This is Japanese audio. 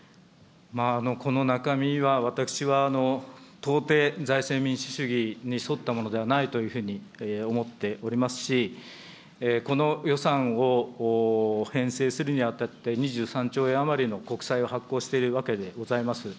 この中身は私は到底、財政民主主義に沿ったものではないというふうに思っておりますし、この予算を編成するにあたって２３兆円余りの国債を発行しているわけでございます。